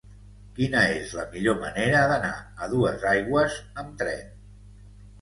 Quina és la millor manera d'anar a Duesaigües amb tren?